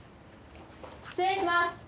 失礼します！